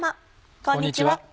こんにちは。